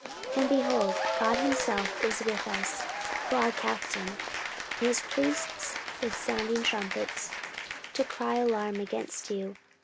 14:013:012 And, behold, God himself is with us for our captain, and his priests with sounding trumpets to cry alarm against you.